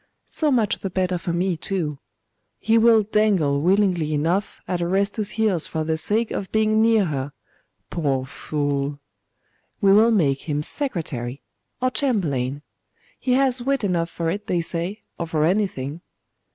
So much the better for me, too. He will dangle willingly enough at Orestes's heels for the sake of being near her poor fool! We will make him secretary, or chamberlain. He has wit enough for it, they say, or for anything.